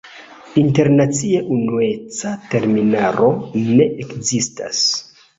Internacie unueca terminaro ne ekzistas.